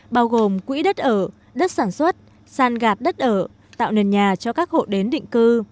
bao gồm quỹ đất ở đất sản xuất san gạt đất ở tạo nền nhà cho các hộ đến định cư